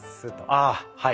ああはい。